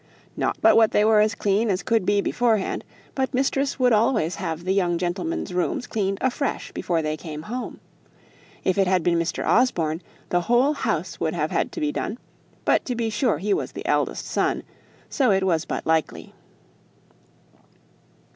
"Not but what they were as clean as could be beforehand; but mistress would always have the young gentlemen's rooms cleaned afresh before they came home. If it had been Mr. Osborne, the whole house would have had to be done; but, to be sure, he was the eldest son, so it was but likely."